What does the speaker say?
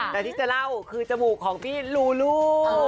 แต่ที่จะเล่าคือจมูกของพี่ลูลู